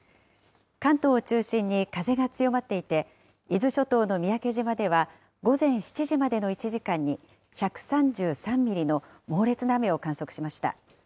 関東を中心に風が強まっていて、伊豆諸島の三宅島では、午前７時までの１時間に、１３３ミリの猛烈な雨を観測しました。